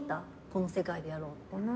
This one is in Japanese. この世界でやろうって。